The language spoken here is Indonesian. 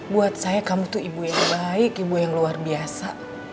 buat saya kamu itu ibu yang baik ibu yang luar biasa